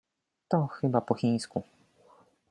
To chyba po chińsku!